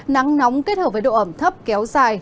nắng nóng kết hợp với độ ẩm thấp kéo dài